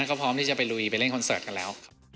ก็พร้อมที่จะไปลุยไปเล่นคอนเสิร์ตกันแล้วครับ